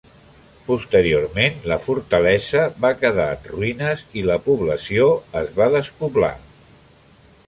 Posteriorment la fortalesa va quedar en ruïnes i la població es va despoblar.